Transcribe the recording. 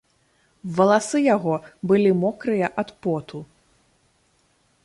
Валасы яго былі мокрыя ад поту.